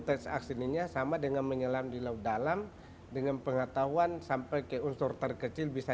teks aksininya sama dengan menyelam di laut dalam dengan pengetahuan sampai ke unsur terkecil bisa